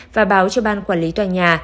và báo cho ban quản lý tòa nhà